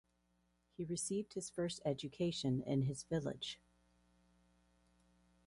He received his first education in his village.